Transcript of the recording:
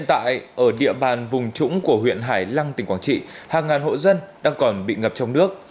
hiện tại ở địa bàn vùng trũng của huyện hải lăng tỉnh quảng trị hàng ngàn hộ dân đang còn bị ngập trong nước